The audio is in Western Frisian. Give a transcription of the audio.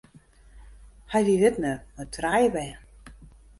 Hy wie widner mei trije bern.